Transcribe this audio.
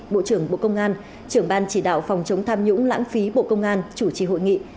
bộ trưởng bộ công an trưởng ban chỉ đạo phòng chống tham nhũng lãng phí bộ công an chủ trì hội nghị